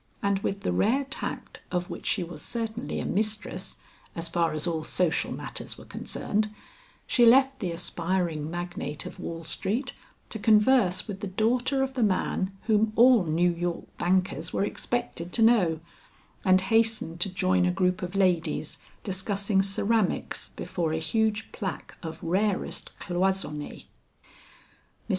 And with the rare tact of which she was certainly a mistress, as far as all social matters were concerned, she left the aspiring magnate of Wall Street to converse with the daughter of the man whom all New York bankers were expected to know, and hastened to join a group of ladies discussing ceramics before a huge placque of rarest cloissone. Mr.